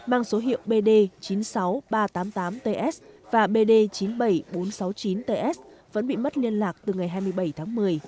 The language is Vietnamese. mang số hiệu bd chín mươi sáu nghìn ba trăm tám mươi tám ts và bd chín mươi bảy nghìn bốn trăm sáu mươi chín ts vẫn bị mất liên lạc từ ngày hai mươi bảy tháng một mươi